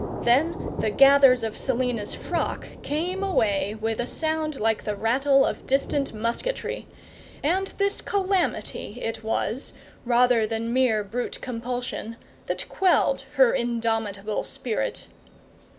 Then the gathers of Selina's frock came away with a sound like the rattle of distant musketry; and this calamity it was, rather than mere brute compulsion, that quelled her indomitable spirit.